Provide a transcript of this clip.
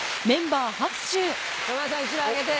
山田さん１枚あげて。